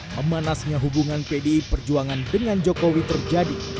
memanasnya hubungan pdi perjuangan dengan jokowi terjadi